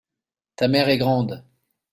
ta mère est grande.